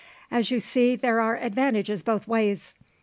"So you see there are advantages both ways.